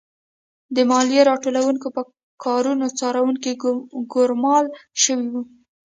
د مالیه راټولوونکو پر کارونو څارونکي ګورمال شوي وو.